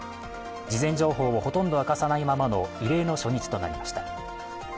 事前情報をほとんど明かさないままの異例の初日となりました。